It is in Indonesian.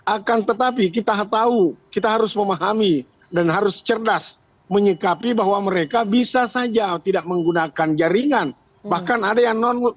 akan tetapi kita tahu kita harus memahami dan harus cerdas menyikapi bahwa mereka bisa saja tidak menggunakan jaringan bahkan ada yang non muslim